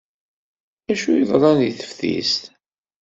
Acu yeḍran deg teftist?